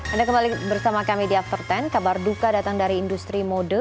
anda kembali bersama kami di after sepuluh kabar duka datang dari industri mode